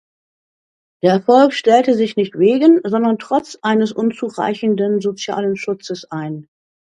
Der Erfolg stellte sich nicht wegen, sondern trotz eines unzureichenden sozialen Schutzes ein.